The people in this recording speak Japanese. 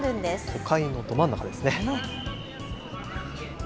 都会のど真ん中ですね。